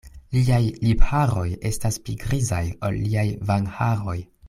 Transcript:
Liaj lipharoj estas pli grizaj, ol liaj vangharoj.